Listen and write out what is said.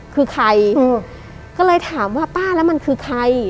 คือใครก็เลยถามว่าป้าแล้วมันคือใคร